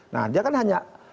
nah dia kan hanya